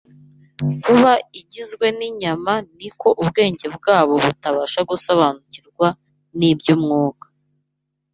kuba igizwe n’inyama ni ko ubwenge bwabo butabasha gusobanukirwa n’iby’umwuka.